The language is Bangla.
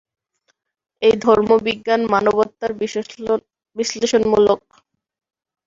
এই ধর্ম- বিজ্ঞান মানবাত্মার বিশ্লেষণমূলক।